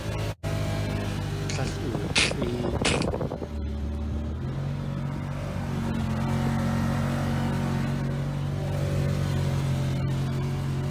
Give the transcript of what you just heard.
Tlél oolʼéelʼ.